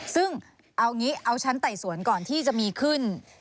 ซึ่งเอางี้เอาชั้นไต่สวนก่อนที่จะมีขึ้น